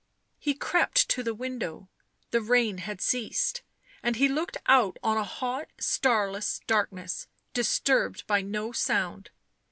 He crept to the window ; the rain had ceased, and he looked out on a hot starless darkness, disturbed by no sound.